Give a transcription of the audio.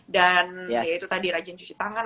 dan ya itu tadi rajin cuci tangan